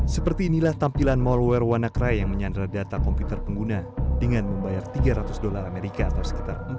seperti inilah tampilan malware wannacry yang menyandar data komputer pengguna dengan membayar tiga ratus dolar amerika atau sekitar